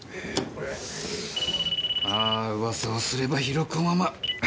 あぁ噂をすればヒロコママ。